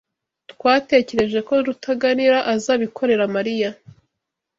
Twatekereje ko Rutaganira azabikorera Mariya.